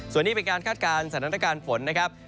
ส่วนดีเป็นการคาดคาญสถานการณ์ฝน